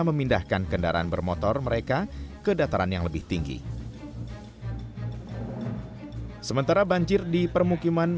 memindahkan kendaraan bermotor mereka ke dataran yang lebih tinggi sementara banjir di permukiman